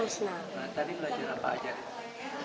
tadi belajar apa aja